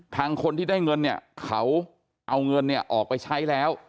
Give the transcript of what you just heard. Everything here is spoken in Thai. คนที่ได้เงินเนี่ยเขาเอาเงินเนี่ยออกไปใช้แล้ว